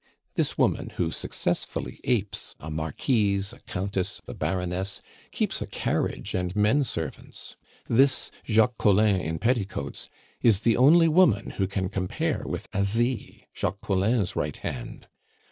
This woman, who successfully apes a marquise, a countess, a baroness, keeps a carriage and men servants. This Jacques Collin in petticoats is the only woman who can compare with Asie, Jacques Collin's right hand.